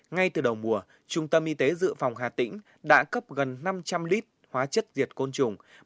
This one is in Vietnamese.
ngay từ đầu mùa trung tâm y tế dự phòng hà tĩnh đã cấp gần năm trăm linh lít hóa chất diệt côn trùng